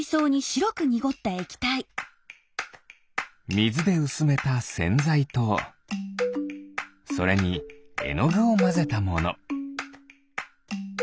みずでうすめたせんざいとそれにえのぐをまぜたもの。